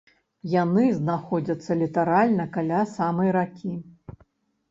Яны знаходзяцца літаральна каля самай ракі.